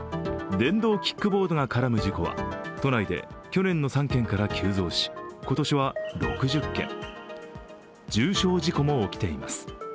電動キックボードが絡む事故は都内で去年の３件から急増し今年は６０件、重傷事故も起きています。